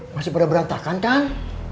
masih pada berantakan kan